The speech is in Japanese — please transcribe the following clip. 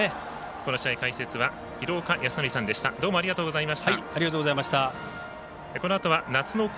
この試合、解説は廣岡資生さんでした。